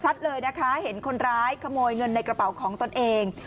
เลยนะคะเห็นคนร้ายขโมยเงินในกระเป๋าของตนเอง